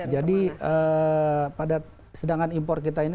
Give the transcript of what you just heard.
jadi pada sedangkan impor kita ini